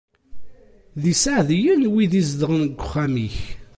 D iseɛdiyen wid izedɣen deg uxxam-ik.